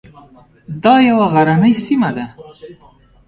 دا یوه غرنۍ سیمه ده.